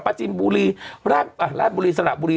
จินบุรีราชบุรีสระบุรี